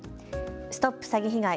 ＳＴＯＰ詐欺被害！